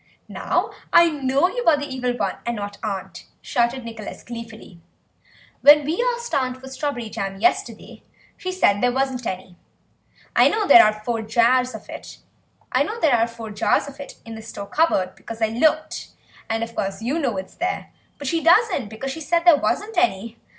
"Now I know that you are the Evil One and not aunt," shouted Nicholas gleefully; "when we asked aunt for strawberry jam yesterday she said there wasn't any. I know there are four jars of it in the store cupboard, because I looked, and of course you know it's there, but she doesn't, because she said there wasn't any.